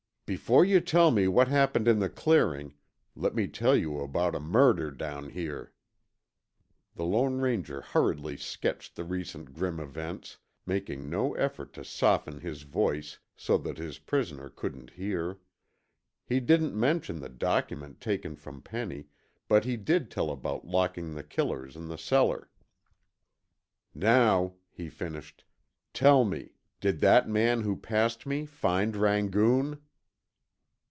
"Before you tell me what happened in the clearing, let me tell you about a murder down here." The Lone Ranger hurriedly sketched the recent grim events, making no effort to soften his voice so that his prisoner couldn't hear. He didn't mention the document taken from Penny, but he did tell about locking the killers in the cellar. "Now," he finished, "tell me, did that man who passed me find Rangoon?"